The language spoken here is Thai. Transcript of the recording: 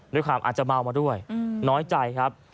ด้วยความอาจจะเมามาด้วยน้อยใจครับ